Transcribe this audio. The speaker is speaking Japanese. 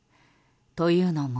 というのも。